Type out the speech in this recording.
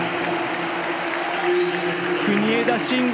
国枝慎吾！